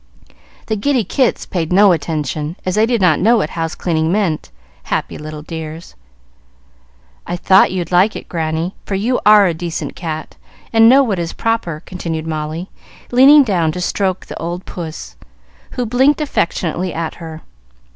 The giddy kits paid no attention, as they did not know what house cleaning meant, happy little dears! "I thought you'd like it, Granny, for you are a decent cat, and know what is proper," continued Molly, leaning down to stroke the old puss, who blinked affectionately at her.